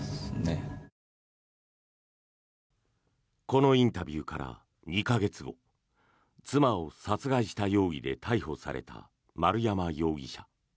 このインタビューから２か月後妻を殺害した容疑で逮捕された丸山容疑者。